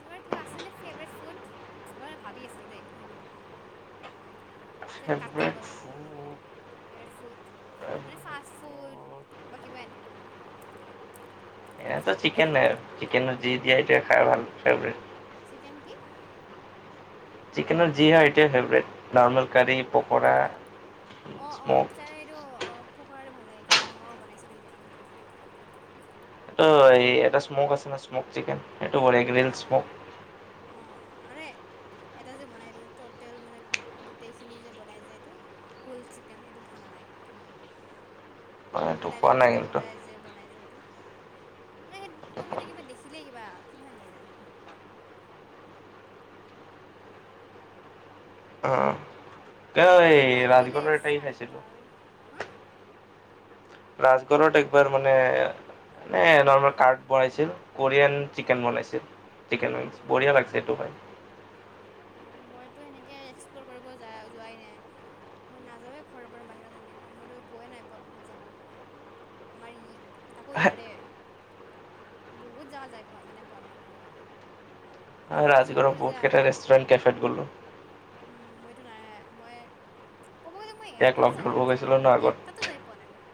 তোমাৰ কিবা আছে নে ফেভৰেট ফুড? মই মানে ভাবি আছোঁ দেই [inaudible] [unintelligible] কাঠে খাই ফেভৰেট গ'ল নহয়, ফুড কে ফুড ফেভৰেট মানে ফাষ্ট ফুড বাকী বাই এ চিকেন নাই চিকেন যি দিয়া এতিয়া খাই ভাল ফেভৰেট। চিকেন কি? চিকেনৰ যি [unintelligible] ফেভৰেট নৰ্মেল কাৰি, পকৰা। অ', অ', স্মক তাৰে এইটো অ' পকৰাটো ভাল লাগে কিন্তু মই বনাইছিলোঁ সেইদিনা। এইটো এ এটা স্মক আছে ন' স্মক চিকেন এইটোগ অঁ স্মক অঁ আৰু এটা যে বনাই দি টোটেল মানে গোটেইখিনি যে বনাই যে এইটো। হোল চিকেন সেইটো ভাল লাগে মোৰ কিবা। মানে এইটো খোৱা ডাইৰেক্ট নাই গোটা কিন্তু গোটাই যে বনাই যায় এইটো। মানে মই সেইটো কিবা দেখিলে কিবা লাগে যায় অ'। কিয় এই এতিয়া বাজিলে ৰাজগড়ৰ এটাই খাইছিলো চাৰিটা আৰু। ৰাজগড়ত একবাৰ মানে এ নৰ্মেল কাৰ্ড বনাইছিল। কোৰিয়ান অঁ চিকেন বনাইছিল চিকেন অঁ বঢ়িয়া লাগছে সেইটো খায়। অ' মইতো সেনেকে এক্সপ্লৰ কৰিব যা যোৱাই নাই। মই নাযাৱে ঘৰৰ পৰা বাহিৰত তেনেকে মইতো গৈয়ে নাই পোৱা বহুত জাগাত। আমাৰ ই তাকো ইয়াৰে। বহুত জাগা যায় পোৱা মানে পোৱা নাই। আমাৰতো ৰাজগড়ৰ যোনবোৰ যে বহুত কেইটা ৰেষ্টুৰেণ্ট কেফেট গ'লো। উম, মইতো নাই মই ক'ব গ'লে মই ইয়াক এটাতো লগ যায় ধৰিব যায় গৈছিলোঁ ন আগত এটাতো যায় পোৱা নাই মই।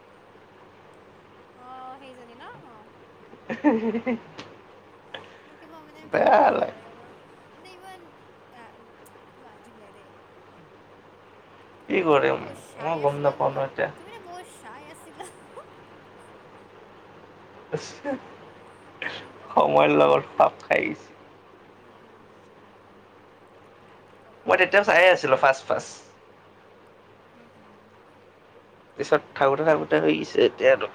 অ' সেইজন ন' অ'। [unintelligible] মোৰ কিবা মানে বেয়া ভাবিলে কিবা লাগ লাগে মোৰ মানে ইমান অ' কিবা আজীৱ লাগে দেই। কি তু তুমি কৰিম ন' বহুত মই চাই গম আছিলা নাপাওঁ ন বহুত এতিয়া তুমি ন' বুস চাই আছিলা। কি হ'ব সময়ৰ লগত খাপ খাইছে। উম হুম হুম হুম কি কি ক'ম মই আৰু তেতিয়া চায়েই আছিলোঁ ফাৰ্ষ্ট ফাৰ্ষ্ট। উম, উম। পিছত থাকোতে থাকোতে হৈ গৈছে এতিয়া আৰু।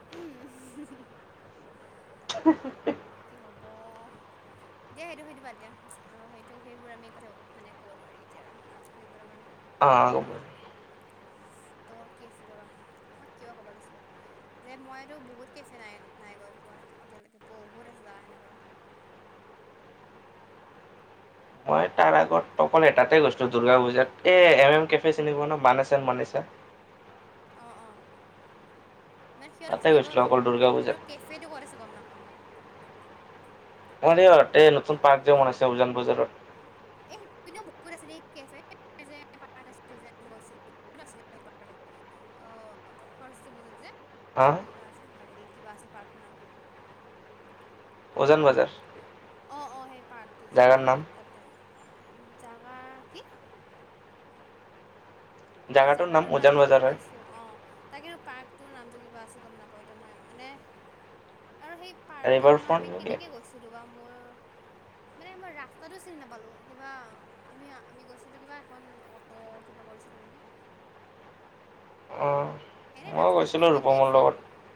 উম। [unintelligible] কি হ'ব। দিয়া সেইটো সেইটো বাদ দিয়া। অ সেইটো সেইবোৰ আমি কথা মানে কব নোৱাৰি এতিয়া আৰু সেইবোৰ আমাৰ অ। ত কি আছিল ৰবা, তোমাক কিবা কোবো ওলাইছিলোঁ। যে মইতো বহুত কেফে নাই-নাই গৈ পোৱা এতিয়ালৈকে। ব [unintelligible] ত অকল এটাতে গৈছো দুৰ্গা পূজাত। এ এম এম কেফে চিনি পোৱা ন মানিছা মানিছা? অ অ মানে সিহঁতক তাতে চিনি পাওঁ। গৈছিলোঁ অকল দুৰ্গা পূজাত সিহঁতৰ কেফেটো ক'ত আছে গম নাপাও। [inaudible] অৰিয় এই নতুন পাৰ্ক যেন বনাইছে উজান বজাৰত। এই বহুত আছে [unintelligible] [unintelligible] অ সৰস্বতী পূজাত যে। হা কিবা আছিল পাহৰি থাকিলোঁ। কি বা আছিল পাৰ্কটোৰ নাম? ওজান বজাৰ। অ', অ', সেই পাৰ্কটো যে জাগাৰ নাম তাতে। জাগা কি? অ নাম জাগাটোৰ উজান নামটো বজাৰ গম হয় পাইছো, অ তাকেটো পাৰ্ক তোৰ নামটো কিবা আছিল গম নাপাও এতিয়া মই। মানে আৰু সেই পাৰ্কটোত ৰিভাৰ নহয় ফ্ৰণ্ট আমি নেকি কেনেকে গৈছিলো বা মোৰ মানে মই ৰাস্তাতটো চিনি নাপালো। কিবা আমি-আমি গৈছিলো কিবা এখন অটো কিবা কৰিছিলো নেকি অ এনেই মই ৰাস্তাটো গৈছিলোঁ কোনপিনদি ৰূপমৰ আছে লগত।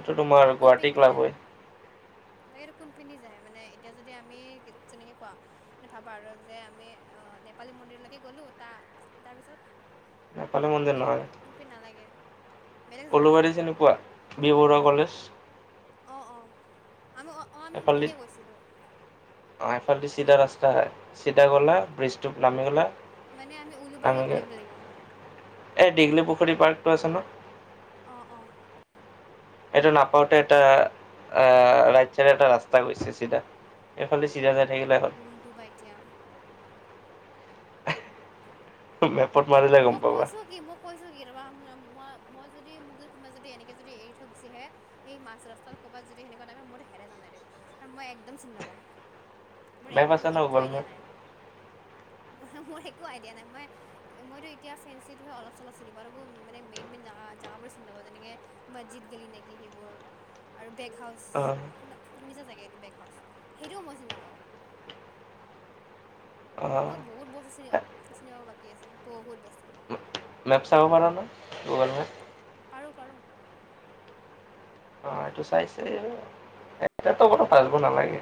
এইটো মানে তোমাৰ গুৱাহাটী ক্লাব হয়। তাকেইটো কোনপিনে যায়? মানে এতিয়া যদি আমি তেনেকে কোৱা ভাবা আৰু যে আমি অ নেপালী মন্দিৰলৈকে গ'লো, তা-তাৰপিছত নেপালী মন্দিৰ নে নহয় শিপি নালাগে বেলেগ জেগা উলুবাৰী চিনিপোৱা বি বৰুৱা কলেজ? অ অ আমি অ অ আমি এফালেদি সিপিনে গৈছিলো। অ সেফালেদি চিধা ৰাস্তা, চিধা গলা ব্ৰীজটোত নামি গলা। মানে আমি নামি উলুবাৰীত গৈ নামিব লাগিব। এই দীঘলী পুখুৰী পাৰ্কটো আছে ন। অ অ। সেইটো নাপাওঁতে এটা আহ ৰাইট চাইদে এটা ৰাস্তা গৈছে চিধা। এইফালে চিধা যাই থাকিলে হ'ল কোনটো বা এতিয়া। মেপত এ মাৰিলে গম মই পাবা কৈছো কি, মই কৈছো কি। মই-মই যদি মোক যদি কোনোবা যদি এনেকে যদি এৰি থৈ গুচি আহে, সেই মাজ ৰাস্তাত ক'ৰবাত যদি [unintelligible] মইতো হেৰাই যাম ডাইৰেক্ট। মই একদম চিনি নাপাওঁ। মোৰ মেপ একদম আছে ন একো গুগল আইডিয়া মেপ নাই, মোৰ একো আইডিয়া নাই। মই মইতো এতিয়া ফেঞ্চিটো অলপ-চলপ চিনি পাওঁ। তাকো মানে মেইন মেইন জেগা-জেগাবোৰে চিনি নাপাওঁ। যেনেকে গলি নেকি সেইবোৰ আৰু বেগ হাউচ অ শু-শুনিছা চাগে এইটো। বেগ হাউচ সেইটোও মই চিনি নেপাওঁ। অ মই বহুত বস্তু চিন-চিনি পাব বাকী আছে। বহুত বস্তু। মেপ চাব পাৰা নে গুগল মেপ? পাৰো পাৰোঁ। অ এইটো চাইছে এ [unintelligible] ভাবিব নালাগে।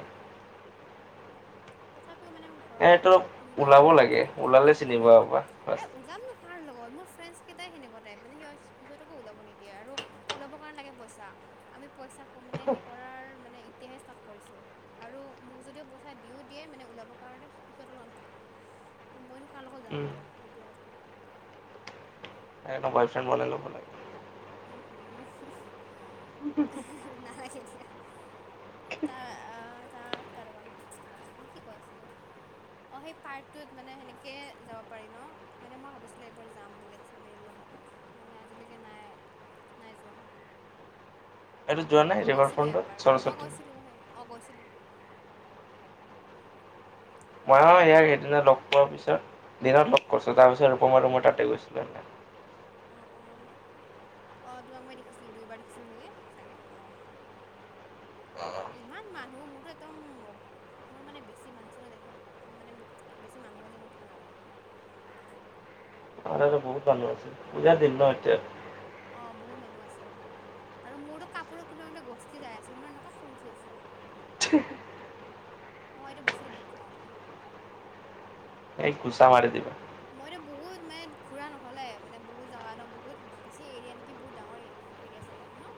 তথাপি মানে মোৰ ঘৰৰ পৰা এইটো অলপ নোলাও ওলাব নহয় লাগে সেইটোয়ে কথা। ওলালে অ চিনি সেইটো, পাবা আৰে ফাৰ্ষ্ট ওলাম নো কাৰ লগত। মোৰ ফ্ৰেণ্ডছ কেইটাই সেনেকুৱা টাইপ মানে, সিহঁতকো ওলাব নিদিয়ে আৰু ওলাব কাৰণে লাগে পইচা। আমি পইচা মানে সেই কৰাৰ মানে এতিয়াহে ষ্টাৰ্ট কৰিছো আৰু মোক যদিও পইচা দিও দিয়ে মানে ওলাব কাৰণে সিহঁতক লগে নাথাকে ত মইনো কাৰ লগত যাম এতিয়া। সেইটোৱে কথা সেইকাৰণে বয়ফ্ৰেণ্ড বনাই ল'ব লাগে। উম হম। [inaudible] নালাগে দিয়া। তাৰ আ, তাৰ ৰ'বা ৰ'বা, মই কি কৈ আছিলো? অ', সেই পাৰ্কটোত মানে সেনেকেই যাব পাৰি ন, মানে মই ভাবিছিলো একবাৰ যাম বুলি, ফেমিলীৰ লগত। মানে আজিলৈকে নাই, নাই যোৱা। এইটো যোৱা নাই মই ৰিভাৰ গৈছিলো ফ্ৰণ্টত একবাৰ, মই সৰস্বতী গৈছিলো সেই, অ', গৈছিলো। ময়ো ইয়াক সেইদিনা লগ পোৱাৰ পিছত দিনত লগ কৰিছো, তাৰপিছত ৰূপম আৰু মই তাতেই গৈছিলো। অ', অ। অ', তোমাক মই দেখিছিলো, দুইবাৰ দেখিছিলো নেকি চাগে, অ'। ইমান মানুহ, মোৰটো একদম মই মানে বেছি মানুহ চানুহ দেখিব, মানে বেছি মানুহ হ'লে মোৰ ভাল নালাগে। [inaudible] আমাৰ তাতে বহুত মানুহ আছে, পূজাৰ দিন ন' এতিয়া। অ', বহুত মানুহ আছিল, আৰু মোৰতো কাপোৰ কোনোবা কোনোবাই গছকি যাই আছিল, মোৰ এনেকুৱা খং উঠি আছিল। হেহ। অ', এইটো বস্তুটো বহুত খং উঠে। এই ঘোচা মাৰি দিবা। মইতো বহুত, মানে ঘুৰা নহলেই, মানে বহুত জাগা ন, বহুত বেছি এৰিয়া নেকি? বহুত ডাঙৰ এৰিয়া চাগে সেইটো ন?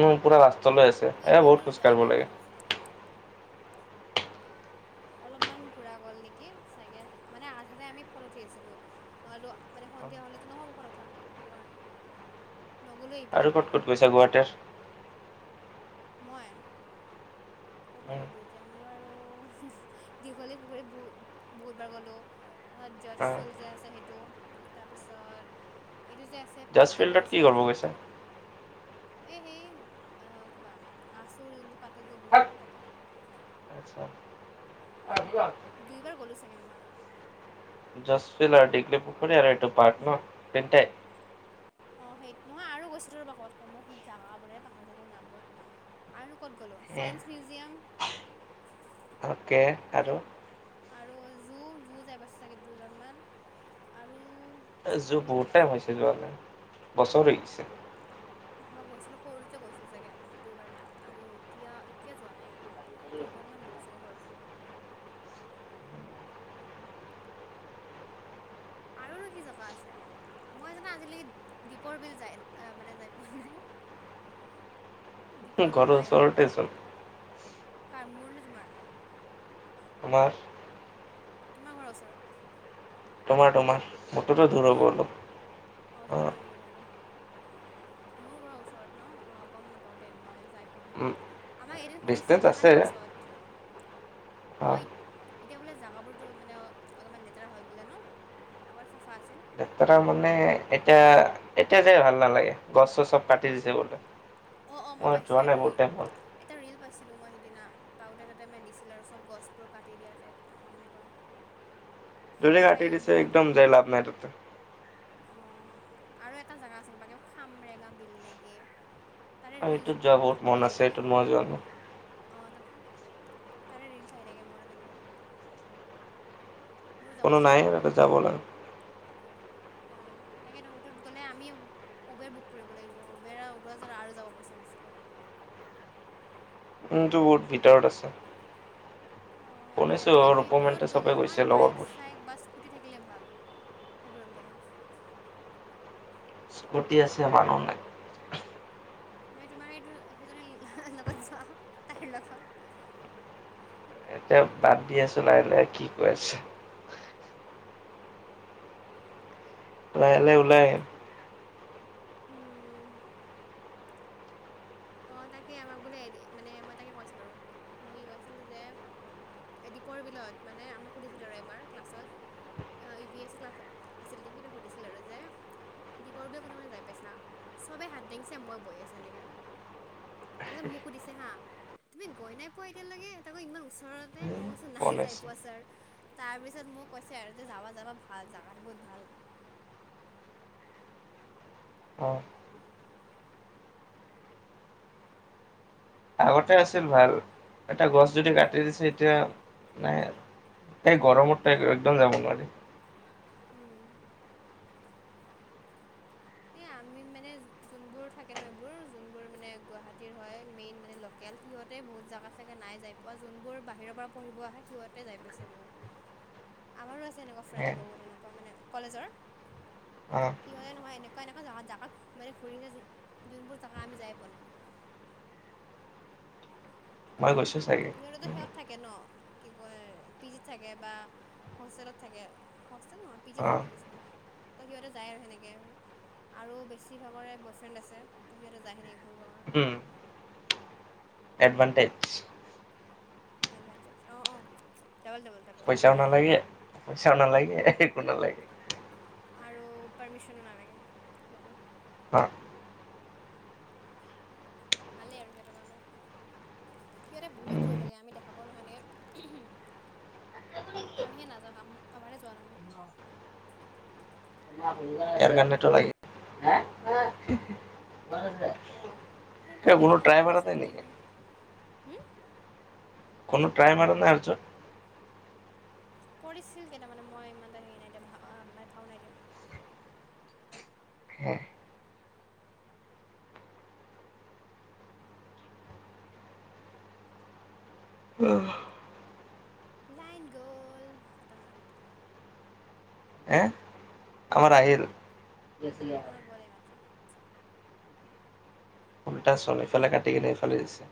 উম, পুৰা ৰাস্তালৈ আছে, মই এই ইমান বহুত দূৰ খোজ যোৱাই কাঢ়িব নাই লাগে। অলপ চলপ এনে অলপমান ঘুৰা গ'ল নেকি? চাগে, মানে আধাতে আমি ফটো উঠি আছিলো, নহলে মানে সন্ধিয়া হ'লেতো নহ'ব ফটো উঠা, সেইটো কাৰণে। নগ'লোঁ ইপিনে আৰু ক'ত সিপিনে ক'ত গৈছা গুৱাহাটীৰ? মই? কতনো গ'লো? এতিয়া মোৰ আৰু দীঘলী পুখুৰী বহু, বহুতবাৰ গ'লো। জৰ্জ ফিল্ড যে আছে সেইটো, তাৰপিছত এইটো যে আছে, জাজ পানীটেংকীৰ ফিল্ডত কি ওচৰত কৰিব গৈছা যোনটো এই সেই অ', কিবা আচুৰ যোনটো পাতে যে বি মোৰ তাতে আচ্ছা দুইবাৰ গ'লো চাগে মই। জৰ্জ ফিল্ড আৰু দীঘলীপুখুৰী আৰু এইটো পাৰ্ক ন, এই কেইটাই। অ', সেই, নহয় আৰু গৈছো ৰ'বা ক'বাত ক'বাত, মই জাগা বোৰে পাহৰি থাকিলো নাম বোৰ। আৰু ক'ত গ'লো? Science museum. কে সেইটোতো আৰু। আৰু জু, জু যাই পাইছোঁ চাগে দুইবাৰমান, আৰু এই জু আৰু কি বহুত জেগা টাইম আছে হৈছে যোৱা নাই, বছৰ হৈ গৈছে। মই গৈছিলো সৰুতে গৈছিলো চাগে, দুইবাৰ মান আৰু এতিয়া, এতিয়া যোৱা নাই আৰু। দুইবাৰ মান গ'লো চাগে সৰুতে। আৰুনো কি জেগা আছে? মই জানা আজিলৈকে দ্বীপৰ বিল যায়, আহ, মানে যায় পোৱা নাই। দ্বীপৰ বিল ঘৰৰ নাই যাই পোৱা ওচৰতেচোন আজিলৈকে, কাৰ মোৰ নে তোমাৰ? তোমাৰ? তোমাৰ ঘৰৰ ওচৰত। তোমাৰ তোমাৰ, মোৰতোটো দূৰ হ'ব মোৰ অলপ, অঁ তোমাৰ অহ। অলপমান দূৰ হ'ব মোৰ ঘৰৰ ওচৰত ন', অ', গম নাপাওঁ দেই, মই যাই পোৱা নাই, আমাক এদিন সুধিছিল জানা ক্লাছত। অঁ আহ। এতিয়া বোলে জাগাবোৰতো মানে অ অলপমান লেতেৰা হয় বোলে ন', আমাৰ চাফ লেতেৰা মানে, এতিয়া, এতিয়া যাই ভাল নালাগে, গছ চছ চব কাটি দিছে বোলে। অ', অ', মই যোৱা পাইছিলো নাই এটা বহুত ৰিল, টাইম হ'ল এটা ৰিল পাইছো। ছিলো মই সিদিনা পাওঁতে তাতে মে দিছিল আৰু চব গছবোৰ কাটি দিয়া টাইপ অ এনেকুৱা [inaudible] যোনে কাটি দিছে একদম যাই লাভ নাই তাতে অ আৰু এটা জোগা আছিল বা কি খামৰেঙা বিল নেকি তাতে আৰু ৰিলচ এইটোত ব যোৱা মন বহুত আহি আছে থাকে এইটোত মোৰ মই যোৱা তাতে নাই অ তাত তাৰে ৰিলচ আহি থাকে মোৰ ইয়াতে বহুত মোৰ যাব কোনো ইচ্ছা নাই তাতে যাব লৈ অ তকেটো সেইটোত গ'লে আমি উবেৰ বুক কৰিব লাগিব উবেৰা উবেৰ আৰু যাব পইচা বেছি কৰি [inaudible] কিন্তু বহুত ভিতৰত আছে। অ সেইটোৱে শুনিছো মানে সেইবোৰত ৰূপমেন্তে চবে গ'লে গৈছে নহয় বাইক লগৰবোৰ চাইক বা স্কুটি থাকিলে ভাল সেইবোৰত গলে স্কুটি আছে আমাৰ ঘৰতে মই তোমাৰ সেইটো সেইজনী লগত যোৱা তাইৰ লগত এতিয়া বাদ দি আছো নাই নে কি কৈ আছে। লাহে লাহে ওলাই উম অ তাকে আমাক বোলে এদি মানে মই তাকে কৈছিলো আৰু মই কি কৈছিলো যে দ্বীপৰ বিলত মানে আমাক সুধিছিল আৰু এবাৰ ক্লাছত আহ ই বি এছ ক্লাছ আছিল নেকি সুধিছিল আৰু যে দীপৰ বিল কোনে কোনে যাই পাইছা চবে হাত দাঙিছে মই বহি আছো এনেকে দাদছা মোক সুধিছে হা তুমি গৈ নাই পোৱা এতিয়ালৈকে তাককৌ ইমান ওচৰতে আহিল মই ফল নাই যাই আহিছে পোৱা ছাৰ তাৰ পিছত মোক কৈছে আৰু যে যাবা যাবা ভাল জাগা বহুত ভাল অ আগতে আছিল ভাল এটা গছ যদি কাটি দিছে এতিয়া নাই এই গৰমৰ ত একদম যাম নোৱাৰি উম এ আমি মানে যোনবোৰ থাকে ন এইবোৰ যোনবোৰ মানে গুৱাহাটীৰ হয় মেইন মানে ল সিহঁতে বহুত জাগা চাগে নাই যাই পোৱা যোনবোৰ বাহিৰৰ পৰা পঢ়িব আহে সিহঁতে যাই পাইছে বহুত আমাৰো আছে এনেকুৱা ফ্ৰেণ্ বহুত এনেকুৱা মানে কলেজৰ অ সিহঁতে নহয় এ [unintelligible] এনেকুৱা জা জো মানে ঘূৰিছে যোনবোৰ জাগা আমি যাই প নাই। মই মানে গৈছো চাগে সিহঁতো সিহঁত থাকে ন কি কয় পিজিত থাকে বা হোষ্টেলত থাকে হোল ন পিজিত অ থাকে বেছিভাগ ত সিহঁতে যায় আৰু সেনেকে আৰু বেছিভাগৰে বয় ফ্ৰেণ্ড আছে ত সিহঁতে যায়হে নেকি ঘুৰিব কাৰণে উম এডভানটেজ এডভেঞ্চাৰ অঁ অ পইচাও নালাগে পইচাও নালাগে একো নালাগে আৰু পাৰ্মিশনো নালাগে ল'ব অ ভাল এৰিজিৰ নান সিহঁতে বহুত ঘূৰি থাকে আমি দেখাব নহয় ন আমিহে নাযাওঁ আমাৰে যোৱা নহয় ইয়াৰ গানতটো লাগে সেইবোৰ কোনো দেখা ট্ৰাই যোৱা মাৰা নাই পিছত কি নেকি হয় হম কোনো ট্ৰাইম আৰু নাইছ কৰিছিল কিই তাৰ মানে মই ম হেৰি নাইা ভাও নাই দিয় লাইন গ'ল খতম আৰু এতিয়া হে আমাৰ আহিল আমাৰ ব মাত্ৰ ফলটা চল ইফালে কাটিিকনে এইফালে দিছে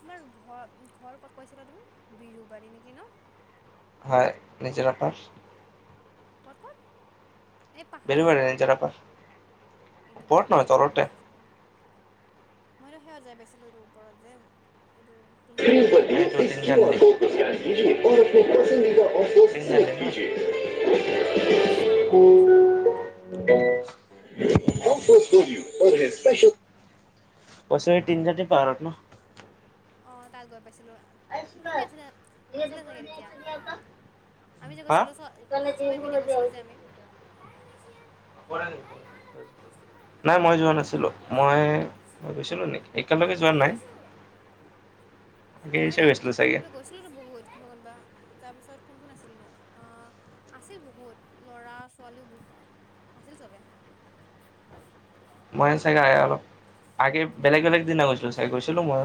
তোমাৰ ঘৰ ঘৰ ক'ত কৈছিলা তুমি বিৰুবাৰী নেকি ন হয় নিজে আপাৰ কত কত এই পাহাৰৰ বেলুবাৰী ওপৰত নিজৰা পাৰ এইটো ওপৰত বকত নহয় আছে এতিয়া তলতে মই নাজানো মইতো সেৱ যাই পাইছিলো এইটো ওপৰত যে এইটো তিন চন দি পাহাৰটো প অশ এইটো চাউণ্ড আহি আছে দে বহুত পচ এই তিনজাতি পাৰাত ন অ', তাত গৈ পাইছিলো তুমি আছিলা আছিলা চাগে তেতিয়া আমি যে হা কৈছিলো চ চবেই মিলি গৈছিলো যে আমি নাই মই যোৱা নাছিলো মই গৈছিলো নে একেলকে যোৱা নাই আগে আৰুা গৈছিলো চাগে তিবা গৈছিলো ৰ ব বহুত ক কোনোবা তাৰপিছত কোন কোন আছিল ন অ আছিল বহুত ল'ৰা ছোৱালীও বহু আছিল চবে মই চাগে অলপ আগে বেলেগ বেলেগ দিনা গৈছিলো চাগে গৈছিলো মই